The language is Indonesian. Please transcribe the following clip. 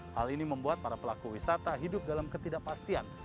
hal ini membuat para pelaku wisata hidup dalam ketidakpastian